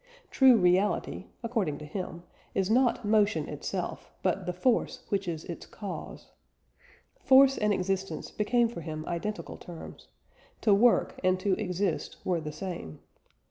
True reality, according to him, is not motion itself, but the force which is its cause. Force and existence became for him identical terms; to work and to exist were the same.